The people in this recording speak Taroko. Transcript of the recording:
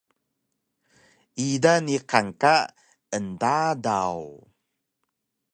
ida niqan ka enTadaw